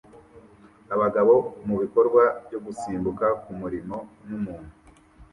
abagabo mubikorwa byo gusimbuka kumurimo numuntu